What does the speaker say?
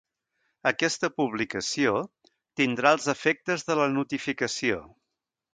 Aquesta publicació tindrà els efectes de la notificació.